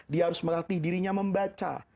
dia harus melatih dirinya membaca